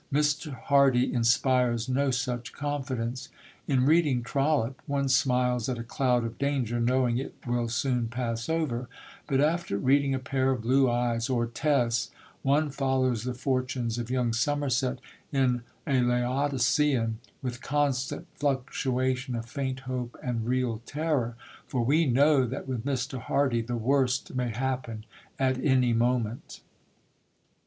Mr. Hardy inspires no such confidence. In reading Trollope, one smiles at a cloud of danger, knowing it will soon pass over; but after reading A Pair of Blue Eyes, or Tess, one follows the fortunes of young Somerset in A Laodicean with constant fluctuation of faint hope and real terror; for we know that with Mr. Hardy the worst may happen at any moment.